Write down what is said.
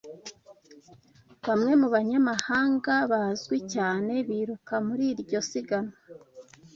Bamwe mu banyamahanga bazwi cyane biruka muri iryo siganwa.